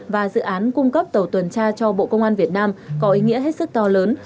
và dự án cung cấp tàu tuần tra cho bộ công an việt nam có ý nghĩa hết sức to lớn